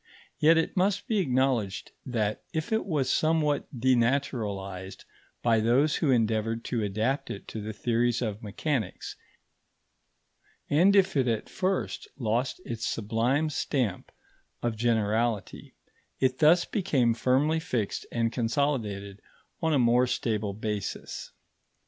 Yet it must be acknowledged that if it was somewhat denaturalised by those who endeavoured to adapt it to the theories of mechanics, and if it at first lost its sublime stamp of generality, it thus became firmly fixed and consolidated on a more stable basis.